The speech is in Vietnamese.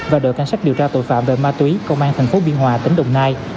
và đội can sách điều tra tội phạm về ma túy công an thành phố biên hòa tỉnh đồng nai